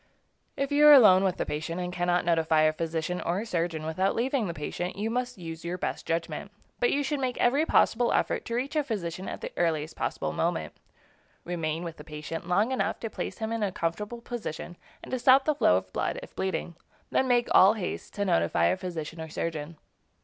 If you are alone with the patient, and cannot notify a physician or surgeon without leaving the patient, you must use your best judgment; but you should make every possible effort to reach a physician at the earliest possible moment. Remain with the patient long enough to place him in a comfortable position, and to stop the flow of blood, if bleeding; then make all haste to notify a physician or surgeon.